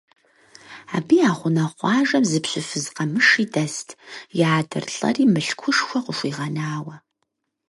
Абы я гъунэгъу къуажэм зы пщы фыз къэмыши дэст, и адэр лӀэри мылъкушхуэ къыхуигъэнауэ.